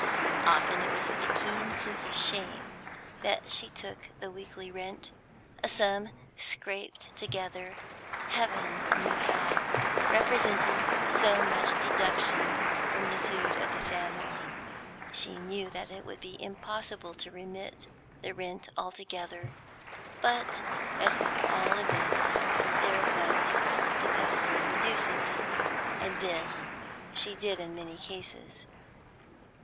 Often it was with a keen sense of shame that she took the weekly rent, a sum scraped together Heaven knew how, representing so much deduction from the food of the family. She knew that it would be impossible to remit the rent altogether, but at all events there was the power of reducing it, and this she did in many cases.